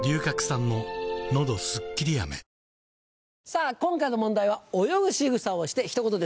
さぁ今回の問題は「泳ぐしぐさをしてひと言」です。